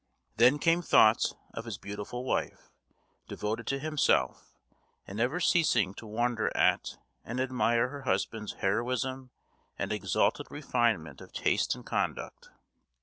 Then came thoughts of his beautiful wife, devoted to himself, and never ceasing to wonder at and admire her husband's heroism and exalted refinement of taste and conduct.